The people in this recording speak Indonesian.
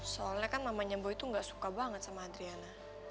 soalnya kan mamanya boy itu enggak suka banget sama adriana